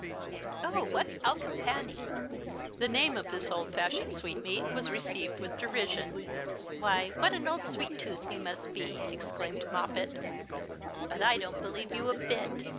Oh, what's alecompane ?" The name of this old fashioned sweetmeat was received with derision. "Why, what an old sweet tooth you must be!" exclaimed Moppet ;" but I don't believe you a bit.